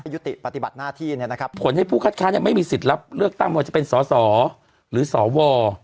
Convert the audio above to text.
ยุติปฏิบัติหน้าที่ผลให้ผู้คัดค้าไม่มีสิทธิ์รับเลือกตั้งว่าจะเป็นสอสอหรือสว